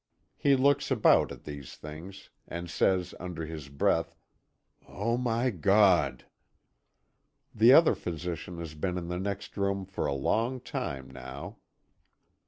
He looks about at these things, and says under his breath: "Oh, my God!" The other physician has been in the next room for a long time now.